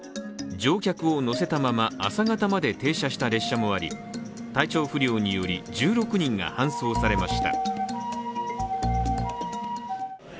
乗客を乗せたまま朝方まで停車した列車もあり、体調不良により１６人が搬送されました。